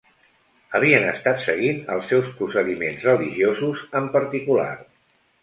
Havien estat seguint els seus procediments religiosos en particular.